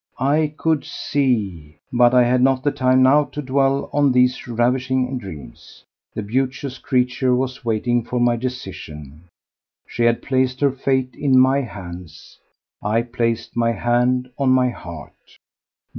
I could see ... But I had not the time now to dwell on these ravishing dreams. The beauteous creature was waiting for my decision. She had placed her fate in my hands; I placed my hand on my heart.